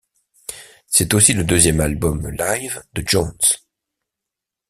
C'est aussi le deuxième album live de Jones.